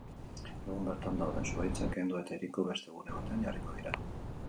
Egun bertan dauden zuhaitzak kendu eta hiriko beste gune batean jarriko dira.